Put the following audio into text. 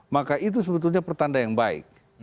maka itu sebetulnya pertanda yang baik